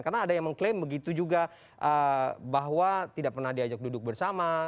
karena ada yang mengklaim begitu juga bahwa tidak pernah diajak duduk bersama